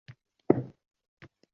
Ta’mirgami desak bus-butun edi.